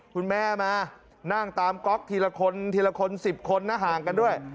ก๊อกทีละคนทีละคน๑๐คนนะห่างกันด้วย